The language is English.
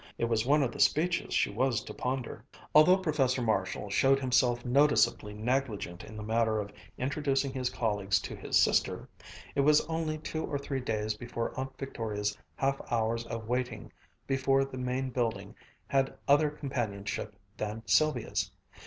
It was one of the speeches she was to ponder. Although Professor Marshall showed himself noticeably negligent in the matter of introducing his colleagues to his sister, it was only two or three days before Aunt Victoria's half hours of waiting before the Main Building had other companionship than Sylvia's.